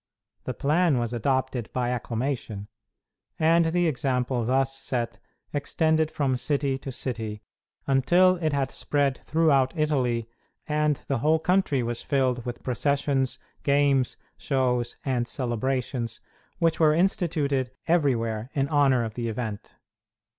The plan was adopted by acclamation, and the example thus set extended from city to city, until it had spread throughout Italy, and the whole country was filled with processions, games, shows, and celebrations, which were instituted everywhere in honor of the event.